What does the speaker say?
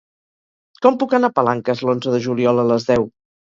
Com puc anar a Palanques l'onze de juliol a les deu?